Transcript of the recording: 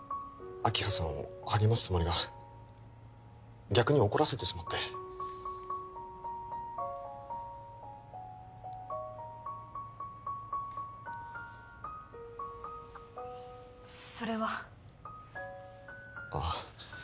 明葉さんを励ますつもりが逆に怒らせてしまってそれはああ